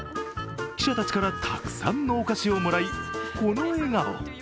記者たちからたくさんのお菓子をもらい、この笑顔。